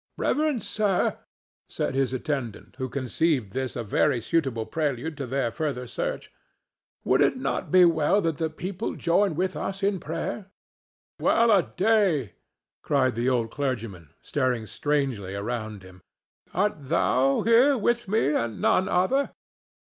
"Reverend sir," said his attendant, who conceived this a very suitable prelude to their further search, "would it not be well that the people join with us in prayer?" "Well a day!" cried the old clergyman, staring strangely around him. "Art thou here with me, and none other?